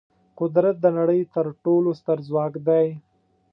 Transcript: قدرت د نړۍ تر ټولو ستر ځواک دی.